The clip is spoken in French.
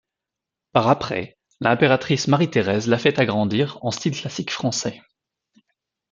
Par après, l'Impératrice Marie Thérèse l'a fait agrandir en style classique français.